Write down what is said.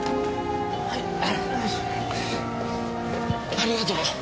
ありがとう。